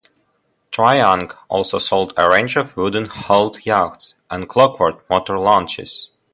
Tri-ang also sold a range of wooden hulled yachts and clockwork motor launches.